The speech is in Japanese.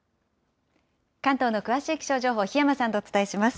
関東の詳しい気象情報、檜山さんとお伝えします。